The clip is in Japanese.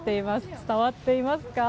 伝わっていますか。